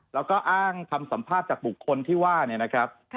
แล้วก็อ้างคำสัมภาษณ์จากบุคคลที่ว่าเนี่ยนะครับ